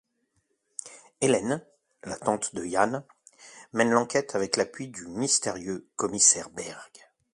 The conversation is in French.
Hélène, la tante de Yann, mène l'enquête avec l'appui du mystérieux commissaire Berg.